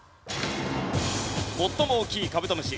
最も大きいカブトムシ。